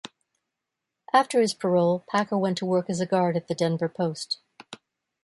After his parole, Packer went to work as a guard at the "Denver Post".